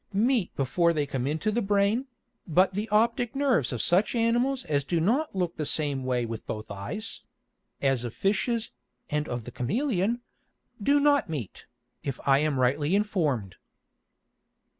meet before they come into the Brain, but the optick Nerves of such Animals as do not look the same way with both Eyes (as of Fishes, and of the Chameleon,) do not meet, if I am rightly inform'd.